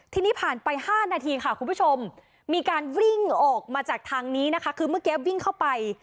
ทีนี้ผ่านไป๕นาทีค่ะคุณผู้ชมมีการวิ่งออกมาจากทางนี้นะคะคือเมื่อกี้วิ่งเข้าไป